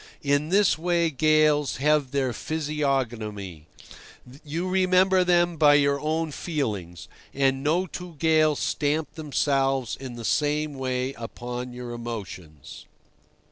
In this way gales have their physiognomy. You remember them by your own feelings, and no two gales stamp themselves in the same way upon your emotions.